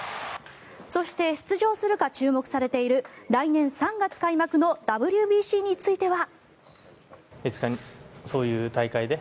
そして、出場するか注目されている来年３月開幕のＷＢＣについては。